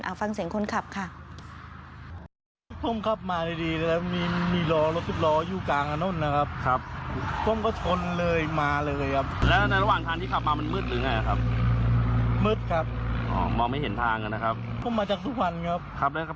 ฟังเสียงคนขับค่ะ